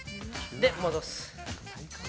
で、戻す。